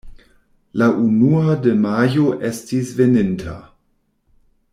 La unua de Majo estis veninta.